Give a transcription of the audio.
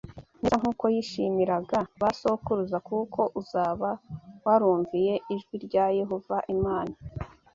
neza nk uko yishimiraga ba sokuruza kuko uzaba warumviye ijwi rya Yehova Imana